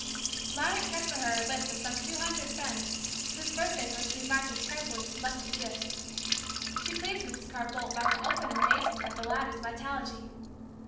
Margaret kept for her a list of some two hundred friends, whose birthdays were to be marked with carefully selected gifts. She pleased Mrs. Carr Boldt by her open amazement at the latter's vitality.